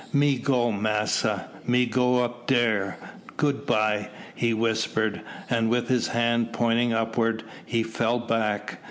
"Me go, massa! me go up dere, good bye," he whispered, and with his hand pointing upwards, he fell back.